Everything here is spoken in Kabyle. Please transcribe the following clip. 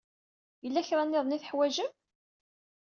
Yella kra niḍen ay teḥwajem?